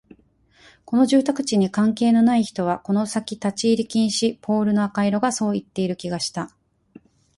この住宅地に関係のない人はこの先立ち入り禁止、ポールの赤色がそう言っている気がした